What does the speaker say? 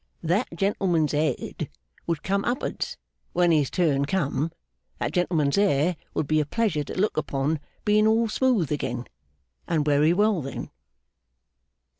That gentleman's ed would come up ards when his turn come, that gentleman's air would be a pleasure to look upon being all smooth again, and wery well then!